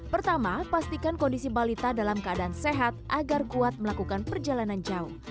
pertama pastikan kondisi balita dalam keadaan sehat agar kuat melakukan perjalanan jauh